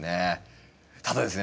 ただですね